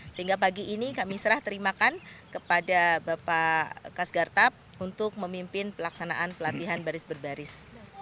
sehingga pagi ini kami serah terimakan kepada bapak kas gartap untuk memimpin pelaksanaan pelatihan baris berbaris